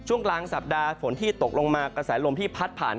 กลางสัปดาห์ฝนที่ตกลงมากระแสลมที่พัดผ่าน